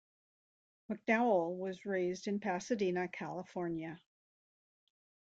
McDowell was raised in Pasadena, California.